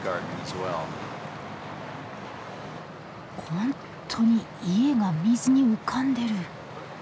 本当に家が水に浮かんでる！